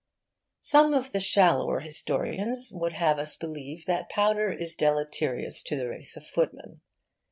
Some of the shallower historians would have us believe that powder is deleterious to the race of footmen.